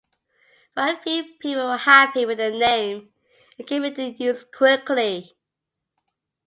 While few people were happy with the name, it came into use quickly.